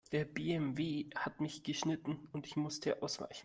Der BMW hat mich geschnitten und ich musste ausweichen.